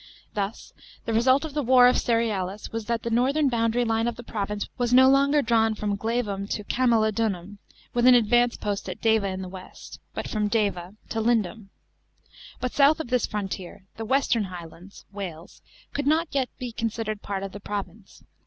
Thus, the result of the war of Cerealis was that the northern boundary line of the province was no longer drawn from Glevum to Camalodunum — with an advanced post at Deva in the west — but from Deva to Lindum. But south of this frontier, the western highlands (Wales) could not yet be considered part of the province.